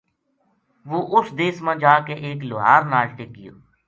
وہ اُس دیس ما جا کے ایک لوہار ناڑ ٹِک گیو